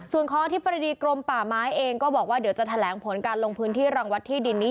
ส่วนข้ออธิบดีกรมป่าไม้เองก็บอกว่าเดี๋ยวจะแถลงผลการลงพื้นที่รังวัดที่ดินนี้